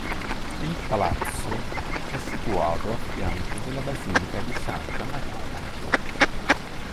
Il palazzo è situato a fianco della Basilica di Santa Maria Maggiore.